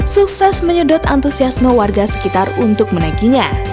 sukses menyedot antusiasme warga sekitar untuk menaikinya